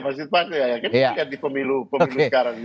ini dikaitkan pemilu sekarang juga kan